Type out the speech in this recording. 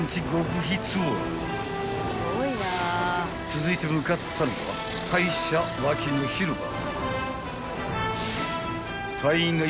［続いて向かったのは隊舎脇の広場］